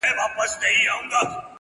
دا خواست د مړه وجود دی داسي اسباب راکه